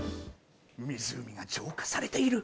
湖が浄化されている。